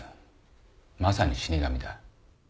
まさに死神だ